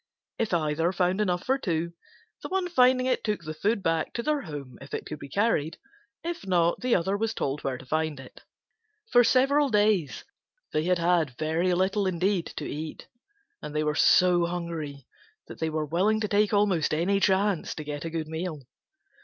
If either found enough for two, the one finding it took the food back to their home if it could be carried. If not, the other was told where to find it. For several days they had had very little indeed to eat, and they were so hungry that they were willing to take almost any chance to get a good meal.